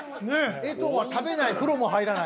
えとうは食べない風呂も入らない。